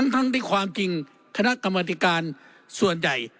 ทั้งที่ความจริงคณะกรรมธิการส่วนใหญ่